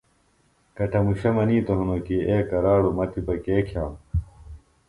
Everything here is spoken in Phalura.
کٹموشہ منِیتوۡ ہنوۡ کیۡ اے کراڑوۡ مہ تِپہ کے کِھئانوۡ